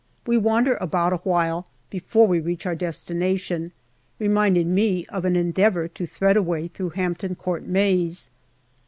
We wander about awhile before we reach our destination, reminding me of an endeavour to thread a way through Hampton Court maze.